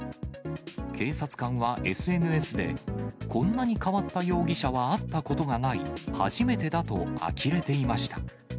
警察官はＳＮＳで、こんなに変わった容疑者は会ったことがない、初めてだとあきれていました。